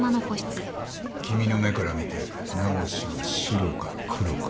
君の目から見て名越はシロかクロか？